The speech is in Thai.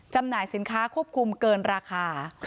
หน่ายสินค้าควบคุมเกินราคา